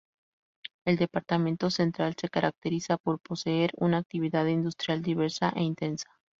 El Departamento Central se caracteriza por poseer una actividad industrial diversa e intensa.